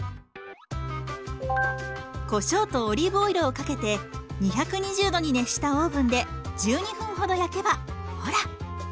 こしょうとオリーブオイルをかけて２２０度に熱したオーブンで１２分ほど焼けばほら。